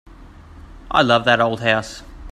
I love that old house.